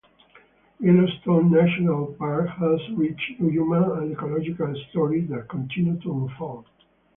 Yellowstone National Park has rich human and ecological stories that continue to unfold.